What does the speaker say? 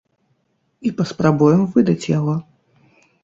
І паспрабуем выдаць яго.